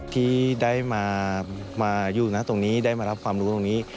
ที่ได้มาอยู่นะตรงนี้ได้มารับความรู้ตรงนี้